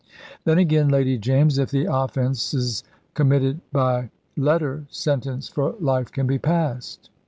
"Then again, Lady James, if the offence s committed by letter, sentence for life can be passed."